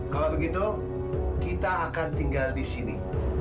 kalau begitu kita akan tinggal di sini